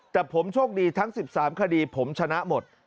แต่ผมโชคดีทั้ง๑๓คดีผมชนะหมด